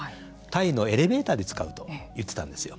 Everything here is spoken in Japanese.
タイのエレベーターに使うと言っていたんですよ。